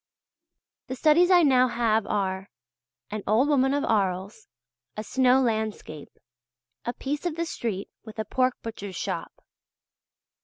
The studies I now have are: "An Old Woman of Arles," "A Snow Landscape," "A Piece of the Street with a Pork Butcher's Shop."